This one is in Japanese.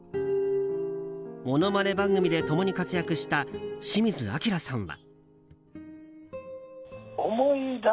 ものまね番組で共に活躍した清水アキラさんは。